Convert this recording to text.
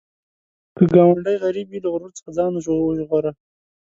که ګاونډی غریب وي، له غرور څخه ځان وژغوره